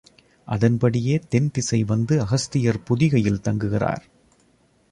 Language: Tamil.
அதன்படியே தென் திசை வந்து அகஸ்தியர் பொதிகையில் தங்குகிறார்.